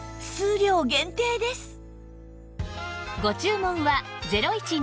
数量限定です